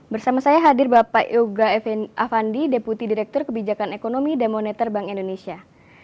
bersama saya hadir bapak yoga afandi deputi direktur kebijakan ekonomi dan moneter bank indonesia